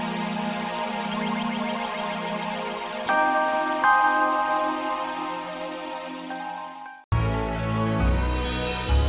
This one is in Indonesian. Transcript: hati nurani dokter